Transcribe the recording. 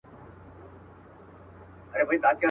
ناروغان یې ماشومان او بوډاګان کړل.